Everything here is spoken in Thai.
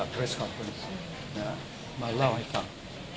ไปเล่าให้กล่อง